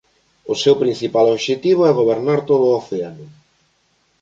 O seu principal obxectivo é gobernar todo o océano.